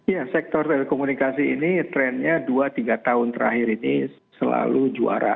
ya sektor telekomunikasi ini trennya dua tiga tahun terakhir ini selalu juara